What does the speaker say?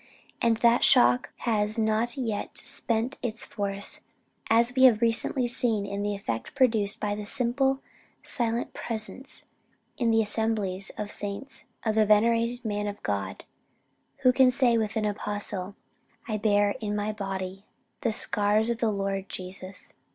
And that shock has not yet spent its force, as we have recently seen in the effect produced by the simple, silent presence, in the assemblies of the saints, of the venerated man of God, who can say with an Apostle 'I bear in my body the scars of the Lord Jesus!'"